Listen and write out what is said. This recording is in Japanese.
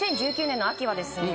２０１９年の秋はですね